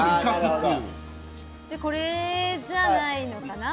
これじゃないのかな？